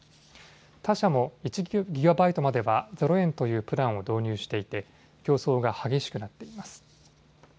他社も１ギガバイトまではゼロ円というプランを導入していて競争が激しくなっています。